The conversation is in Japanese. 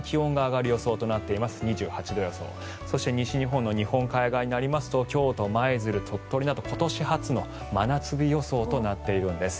そして西日本の日本海側になりますと京都・舞鶴、鳥取など今年初の真夏日予想となっているんです。